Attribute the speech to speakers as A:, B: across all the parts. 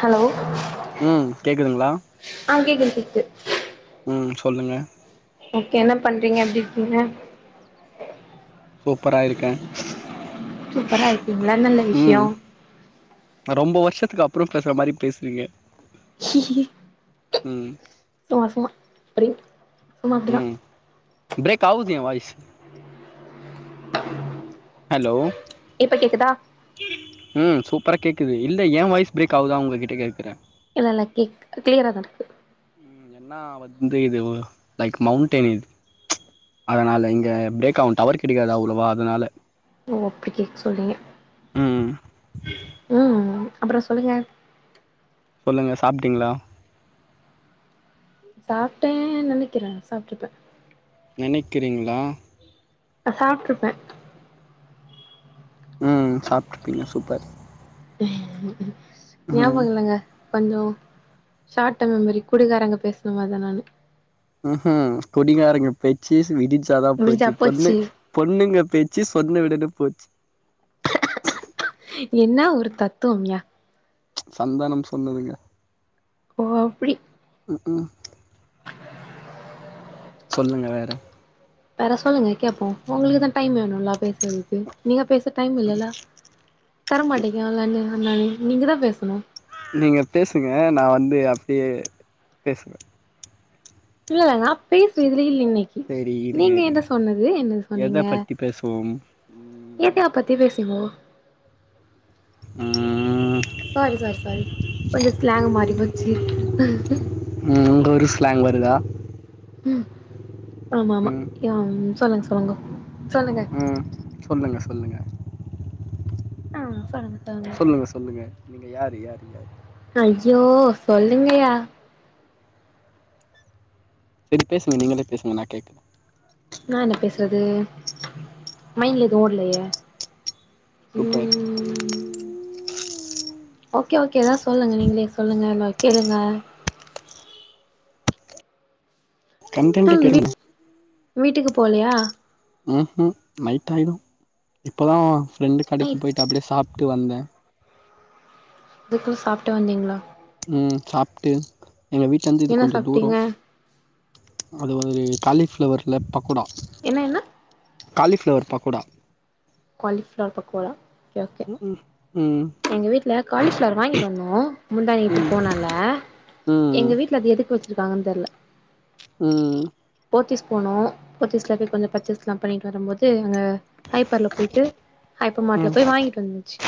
A: hello
B: ம் கேக்குதுங்களா
A: ஆ கேக்குது கேக்குது
B: ம் சொல்லுங்க
A: ஓகே என்ன பண்றீங்க எப்டி இருக்கீங்க
B: சூப்பரா இருக்கே
A: சூப்பரா இருக்கீங்களா நல்ல விஷ்யோ
B: ம் ரொம்ப வர்ஷத்துக்கு அப்புறொ பேசுற மாரி பேசுறீங்க ம்
A: சும்மா சும்மா ஓரே சும்மா அப்டி தான்
B: ம் பிரேக் ஆவுது என் வாய்சு ஹலோ
A: இப்ப கேக்குதா
B: ம் சூப்பரா கேக்குது இல்ல யேன் வாய்ஸ் பிரேக் ஆவுதா ஒங்க கிட்ட கேக்கற
A: இல்ல இல்ல கேக் கிளியராதாருக்கு
B: ம் என்னா வந்து இது லைக் மௌன்டைன் அதனால இங்க பிரேக் ஆவும் டவர் கிடைக்காது அவ்ளோவா அதனால
A: ஓ அப்டி கேக்க சொல்றீங்க
B: ம்
A: ம் அப்பறொ சொல்லுங்க
B: சொல்லுங்க சாப்ட்டீங்களா
A: சாப்ட்டே நெனைக்கற சாப்ட்டுருப்ப
B: நெனைக்கிறீங்ளா
A: சாப்ட்ருப்ப
B: ம் சாப்ட்ருப்பீங்ளா சூப்பர் ம்
A: ஞாபகொல்லங்க கொஞ்சொ ஷார்ட் டெர்ம் மெமரி குடிகாரங்க பேசுன மார்தா நானு
B: ம்ஹூம் குடிங்காரங்க பேச்சு விடிஞ்சாதா போச்சு பொண்ணு பொண்ணுங்க பேச்சு சொன்ன உடனே போச்சு
A: என்ன ஒரு தத்துவம்யா
B: சந்தானம் சொன்னதுங்க
A: ஓ அப்டி
B: ம் ம் சொல்லுங்க வேற
A: வேற சொல்லுங்க கேப்போ உங்களுக்குதா டைம் வேணும்ல பேஸ்றதுக்கு நீங்க பேச டைம் இல்லல தரமாட்டேங்காலனு நீங்கதா பேசணு
B: நீங்க பேசுங்க நா வந்து அப்பயே பேசுவ
A: இல்ல நா பேசுவதுலயே இல்ல இன்னைக்கி
B: சேரி இருங்க
A: நீங்க
B: இருங்க
A: என்ட சொன்னது என்ன
B: எத
A: சொன்னீங்க
B: பத்தி பேசுவோம் ம்
A: எயற்கைய பத்தி பேசுங்கோ
B: ம்
A: சாரி சாரி சாரி கொஞ்ச ஸ்லாங் மாறிபோ சேர்
B: ம் உங்க ஊரு ஸ்லாங் வருதா
A: ம் ஆமா ஆமா
B: ம்
A: ய சொல்லுங்க சொல்லுங்க சொல்லுங்க
B: ம் சொல்லுங்க சொல்லுங்க
A: அ சொல்லுங்க
B: சொல்லுங்க சொல்லுங்க நீங்க யாரு யாரு யாரு
A: ஐயோ சொல்லுங்கயா
B: சேரி பேசுங்க நீங்களே பேசுங்க நா கேக்குற
A: நா என்ன பேசுறது மைண்ட்ல எதுவு ஓட்லயே
B: சூப்பர்
A: ம் ஓகே ஓகே எதா சொல்லுங்க நீங்களே சொல்லுங்க [unintelligible] கேளுங்க
B: கன்டன்ட்டு
A: ம்
B: தெரும்
A: வீட் வீட்டுக்கு போலயா
B: ம் ஹ்ம் நைட் ஆய்டு இப்போதா ஃப்ரெண்டு கடக்கி
A: நைட்
B: போய்ட்டு அப்டியே சாப்ட்டு வந்த
A: அதுக்குள்ள சாப்ட்டு வந்தீங்ளா
B: ம் சாப்ட்டு எங்க வீட்லந்து இது
A: என்ன
B: கொஞ்சொ தூரொ
A: சாப்ட்டீங்க
B: அது ஒரு காலிஃப்ளவர்ல பக்கொடா
A: என்ன என்ன
B: cauliflower pakoda
A: cauliflower pakoda okay okay
B: ம் ம்
A: எங்க வீட்ல காலிஃப்ளார் வாங்கிட்டு வந்தோ முந்தா நேத்து
B: ம்
A: போனால
B: ம் ம்
A: எங்க வீட்ல அது எதுக்கு வச்சிருக்காங்கன் தெர்ல
B: ஆ
A: போத்திஸ் போனோ போத்திஸ்ல போய் கொஞ்சொ பர்ச்சேஸ்லா பண்ணிட்டு வரும்போது அங்க ஹைப்பர்ல போய்ட்டு ஹைப்பர் மாட்ல
B: ம்
A: போய் வாய்ன்ட்டு வந்துச்சு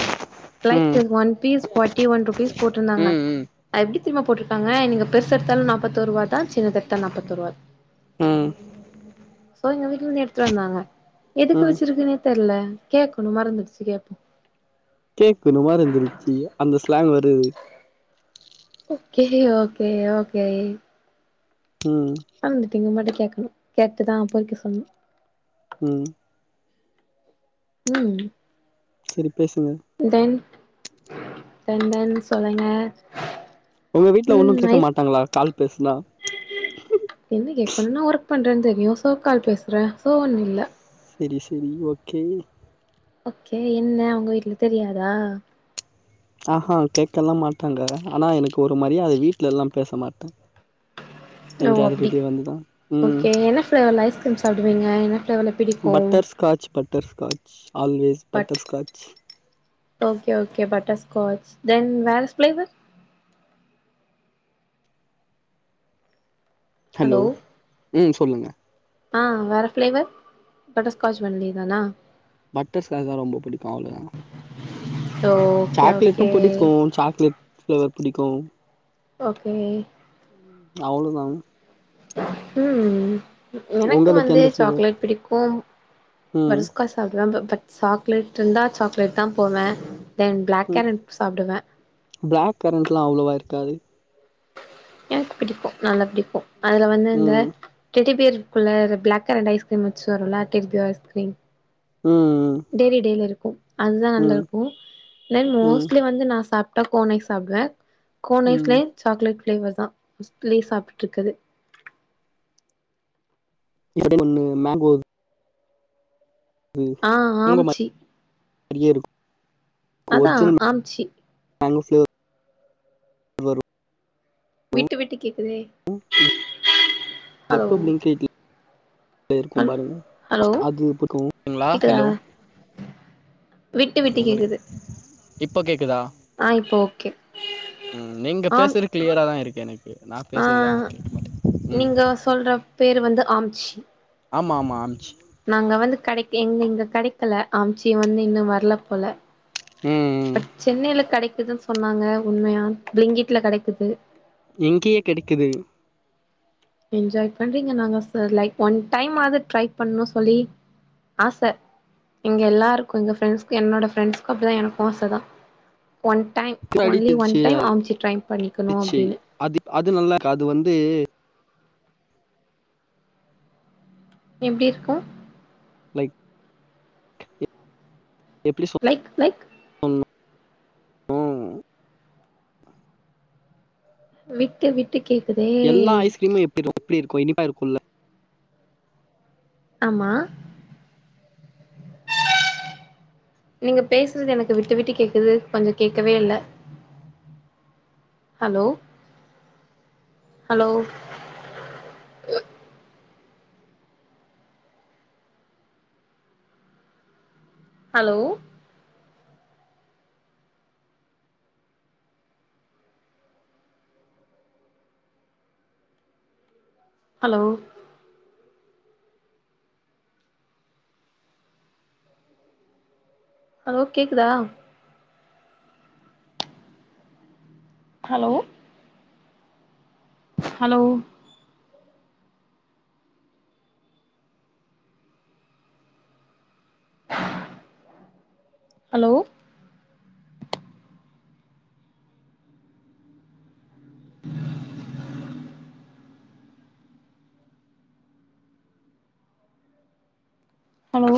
A: like one piece forty one rupees போட்ருந்தாங்க
B: ம்
A: அத் எப்டி தெரிமா போட்ருக்காங்க நீங்க பெர்சு எடுத்தாலு நாப்பத்தோருவாதா சின்னது எடுத்தாலு நாப்பத்தொருவா
B: ம்
A: சோ எங்க வீட்லர்ந்து எடுத்துட்டு வந்தாங்க எதுக்கு
B: ம்
A: வச்சிருக்குன்னே தெர்ல கேக்கணு மறந்துடுச்சு கேப்போ
B: கேக்குணு மறந்துருச்சி அந்த ஸ்லாங் வருது
A: ஓகே ஓகே ஓகே
B: ம்
A: மறந்துட்டீங்க அம்மாட்ட கேக்கணு கேட்டுதா பொறிக்க சொல்னு
B: ம்
A: ம்
B: செரி பேசுங்க
A: தென் தென் தென் சொல்லுங்க
B: ஒங்க வீட்ல ஒன்னு
A: ம்
B: கேக்க
A: ஐஸ்
B: மாட்டாங்ளா கால் பேஸ்னா
A: என்ன கேக்கணு நா ஒர்க் பண்றன் தெரியு சோ கால் பேஸ்ற சோ ஒன்னு இல்ல
B: செரி செரி ஓகே
A: ஓகே என்ன உங்க வீட்ல தெரியாதா
B: ஆஹா கேக்கல்லா மாட்டாங்க ஆனா எனக்கு ஒரு மரியாத வீட்லேல்லா பேச மாட்ட
A: ஓ அப்டி
B: ம்
A: ஓகே என்ன ஃப்ளேவர்ல ஐஸ்கிரீம் சாப்டுவீங்க என்ன ஃப்ளேவர்ல பிடிக்கு
B: butter Scotch butter scotch always
A: but
B: butter scotch
A: okay okay butterscotch then வேற ஃப்ளேவர்
B: ஹலோ உ சொல்லுங்க
A: ஆ வேற ஃப்ளேவர் பட்டர் ஸ்காச் ஒன்லி தானா
B: பட்டர் ஸ்காதா ரொம்ப பிடிக்கு அவ்ளோதா
A: ஓகே
B: சாக்லேட்டு
A: ஓகே
B: பிடிக்கு சாக்லேட் ஃப்ளேவர் பிடிக்கு
A: ஓகே
B: அவ்ளோதா
A: உ எனக்கு
B: உங்களுக்கு
A: வந்து
B: எந்த ஃப்ளேவர்
A: சாக்லேட் பிடிக்கும்
B: ம்
A: பட்டர் ஸ்காட்ச் சாப்டுவே பட் சாக்லேட் இருந்தா சாக்லேட்தா போவே தென் பிளாக்
B: ம்
A: கரன்ட் சாப்டுவே
B: பிளாக் கரெண்ட்லா அவ்ளோவா இருக்காது
A: எனக்கு பிடிக்கு நல்லா பிடிக்கு அதுல வந்து இந்த
B: ம்
A: டெடிபியர் இருக்குல்ல பிளாக் கரன்ட் ஐஸ்கிரீம் வச்சு வருல்ல டெடிபியர் ஐஸ்கிரீம்
B: உ உ
A: டைரி டேல இருக்கு அதுதா நல்லா இருக்கு தென்
B: ம்
A: மோஸ்ட்லி வந்து நா சாப் ட்டா கோன் ஐஸ் சாப்டுவே கோன்
B: ம்
A: ஐஸ்லயே சாக்லேட் ஃப்ளேவர்தா ஃபஸ்ட்லயே சாப்ட்டுட்டு இருக்கது
B: இப்டி ஒண்ணு மேங்கோது உ [unintelligible]
A: ஆ ஆம்ச்சி
B: டியே இருக்
A: அதா
B: ஒரிஜினல்
A: ஆம்ச்சி
B: மேங்கோ ஃபிளேவர்
A: விட்டு விட்டுக் கேக்குதே
B: உ
A: ஹலோ
B: ஸெப்டோ ப்ளிங்கிட்ல இருக்கு
A: ஹல்
B: பாருங்க
A: ஹலோ
B: அது புடிக்கூ துங்களா
A: கேக்குதா
B: ஹலோ
A: விட்டு விட்டு
B: உங்களுக்
A: கேக்குது
B: இப்ப கேக்குதா
A: ஆ இப்போ ஓகே
B: உ நீங்க
A: ஆம்
B: பேசுறது கிளியராதா இருக்கு எனக்கு நா
A: ஆ
B: பேசுறதுதா கேட்க மாட்டேங்
A: நீங்க சொல்ற பேரு வந்து ஆம்ச்சி
B: ஆமா ஆமா ஆம்ச்சி
A: நாங்க வந்து கெடைக் எங்க இங்க கெடைக்கல ஆம்ச்சி வந்து இன்னு வர்ல போல
B: உ
A: சென்னையில கெடைக்குதுனு சொன்னாங்க உண்மையா பிளிங்கிட்ல கெடைக்குது
B: இங்யே கெடைக்குது
A: என்ஜாய் பண்றீங்க நாங்க லைஃப் ஒன் டைமாது ட்ரை பண்ணூ சொல்லி ஆச எங்க எல்லாருக்கு எங்க ஃப்ரெண்ஸ்க்கு என்னோட ஃப்ரெண்ட்ஸ்க்கு அப்டிதா எனக்கூ ஆசதா ஒன் டைம் ஒன்லி ஒன்
B: அடிச்சிச்சு
A: டைம் ஆம்ச்சி ட்ரை பண்ணிக்கணு
B: அடிச்சு
A: அப்டின்னு
B: அது அது நல்லாகு அது வந்து
A: எப்டி இருக்கு
B: லைக் எப் எப்டி சொல்
A: லைக் லைக் விட்டு விட் ட்டு கேக்குதே
B: எல்லா ஐஸ்கிரீமு எப்பிரு எப்டி இருக்கு இனிப்பா இருக்குல
A: ஆமா நீங்க பேசுறது எனக்கு விட்டு விட்டு கேக்குது கொஞ்ச கேக்கவே இல்ல hello hello hello hello hello கேக்குதா hello hello hello hello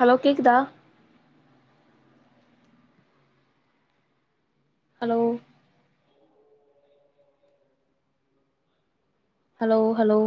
A: hello கேக்குதா ஹலோ ஹலோ ஹலோ